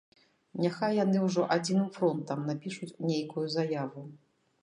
Няхай яны ўжо адзіным фронтам напішуць нейкую заяву.